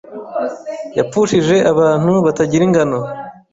yapfushije abantu batagira ingano